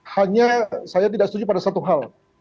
hanya saya tidak setuju pada satu hal